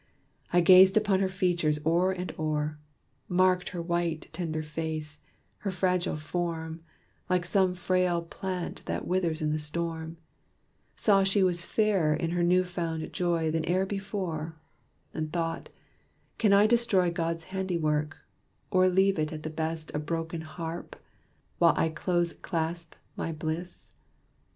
I gazed upon her features o'er and o'er; Marked her white, tender face her fragile form, Like some frail plant that withers in the storm; Saw she was fairer in her new found joy Than e'er before; and thought, "Can I destroy God's handiwork, or leave it at the best A broken harp, while I close clasp my bliss?"